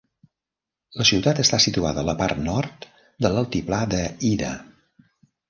La ciutat està situada a la part nord de l'altiplà de Hida.